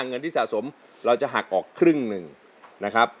เงินที่สะสมเราจะหักออกครึ่งหนึ่งนะครับ